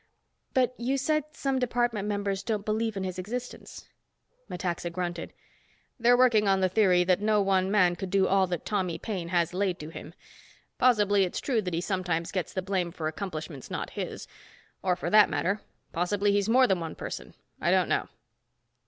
"But you said some department members don't believe in his existence." Metaxa grunted. "They're working on the theory that no one man could do all that Tommy Paine has laid to him. Possibly it's true that he sometimes gets the blame for accomplishments not his. Or, for that matter, possibly he's more than one person. I don't know."